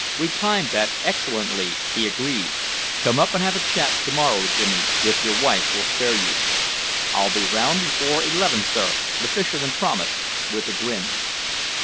"We timed that excellently," he agreed. "Come up and have a chat to morrow, Jimmy, if your wife will spare you." "I'll be round before eleven, sir," the fisherman promised, with a grin.